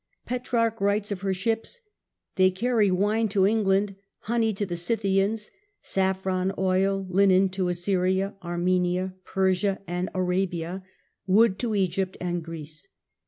Petrarch writes of her ships :" They carry wine to England ; honey to the Scythians ; saffron, oil, linen to Assyria, Armenia, Persia and Arabia ; wood to Egypt and Greece.